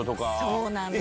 そうなんですよ。